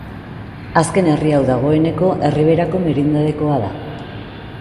Azken herri hau dagoeneko Erriberriko merindadekoa da.